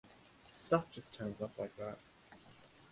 Stuff just turns up like that.